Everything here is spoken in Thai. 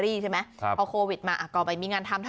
นี่คือเทคนิคการขาย